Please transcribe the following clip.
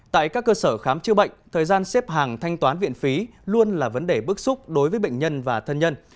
tại các cơ sở khám chữa bệnh thời gian xếp hàng thanh toán viện phí luôn là vấn đề bức xúc đối với bệnh nhân và thân nhân